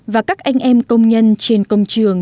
và các anh em công nhân trên công trường